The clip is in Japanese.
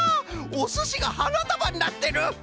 おすしがはなたばになってる！